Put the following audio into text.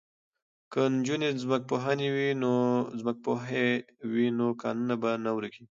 که نجونې ځمکپوهې وي نو کانونه به نه ورکیږي.